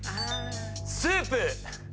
スープ。